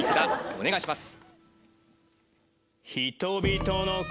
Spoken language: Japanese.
お願いします。